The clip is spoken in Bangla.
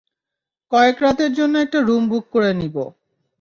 কয়েকরাতের জন্য একটা রুম বুক করে নিবো।